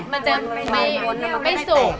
มันทำแฟวใช่ไหม